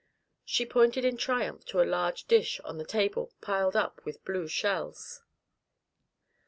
She pointed in triumph to a large dish on the table piled up with blue shells.